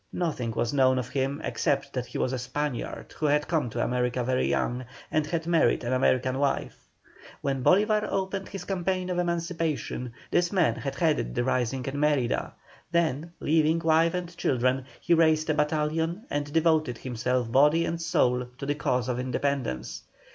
Nothing was known of him except that he was a Spaniard who had come to America very young, and had married an American wife. When Bolívar opened his campaign of emancipation, this man had headed the rising at Mérida; then, leaving wife and children, he raised a battalion and devoted himself body and soul to the cause of independence.